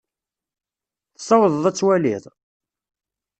Tsawḍeḍ ad twaliḍ?